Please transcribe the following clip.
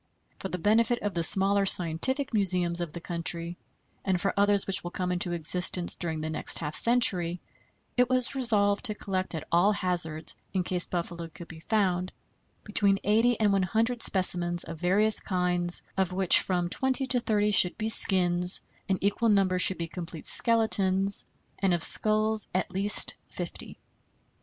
For the benefit of the smaller scientific museums of the country, and for others which will come into existence during the next half century, it was resolved to collect at all hazards, in case buffalo could be found, between eighty and one hundred specimens of various kinds, of which from twenty to thirty should be skins, an equal number should be complete skeletons, and of skulls at least fifty.